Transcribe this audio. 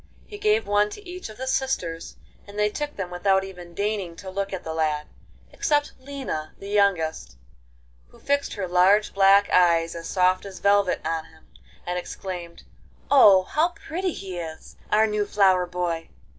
He gave one to each of the sisters, and they took them without even deigning to look at the lad, except Lina the youngest, who fixed her large black eyes as soft as velvet on him, and exclaimed, 'Oh, how pretty he is—our new flower boy!